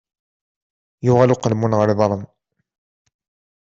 Yuɣal uqelmun ɣer yiḍarren.